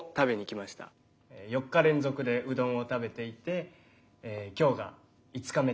４日連続でうどんを食べていて今日が５日目という設定です。